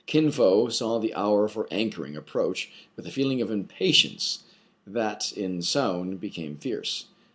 Kin Fo saw the hour for anchoring approach with a feeling of impatience that in Soun became fierce.